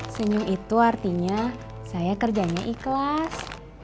senyum itu artinya saya kerjanya ikhlas